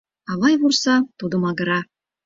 Авый вурса, тудо магыра